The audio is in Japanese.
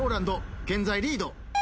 現在リード。